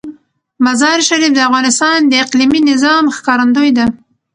مزارشریف د افغانستان د اقلیمي نظام ښکارندوی ده.